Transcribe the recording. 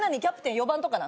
４番とかなの？